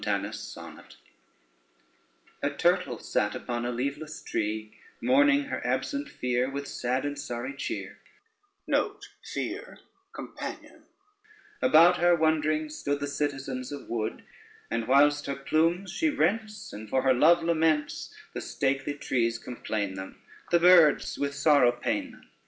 ] Montanus' Sonnet A turtle sate upon a leaveless tree, Mourning her absent fere With sad and sorry cheer: About her wondering stood The citizens of wood, And whilst her plumes she rents And for her love laments, The stately trees complain them, The birds with sorrow pain them.